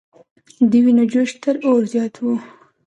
د وینو جوش تر اور زیات و.